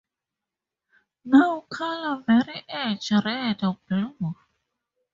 Now colour every edge red or blue.